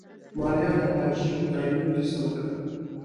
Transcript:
ماريا د حاجي خداينور کيسه وکړه.